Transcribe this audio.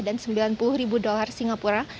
dan sembilan puluh ribu dolar singapura